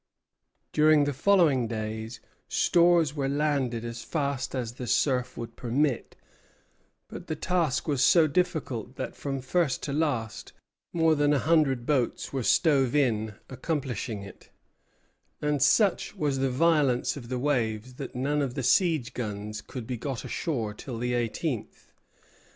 During the following days stores were landed as fast as the surf would permit: but the task was so difficult that from first to last more than a hundred boats were stove in accomplishing it; and such was the violence of the waves that none of the siege guns could be got ashore till the eighteenth.